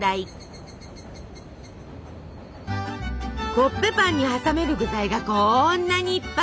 コッペパンに挟める具材がこんなにいっぱい！